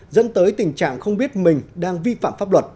dẫn tới tình trạng không biết mình đang vi phạm